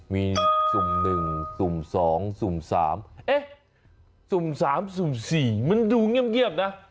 มีสุ่มหนึ่งสุ่มสองสุ่มสามสุ่มสามสุ่มสี่มันดูเงียบนะ